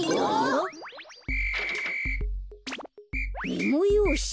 メモようし？